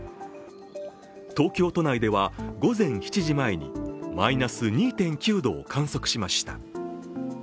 東京都内では午前７時前にマイナス２．９度を観測しました。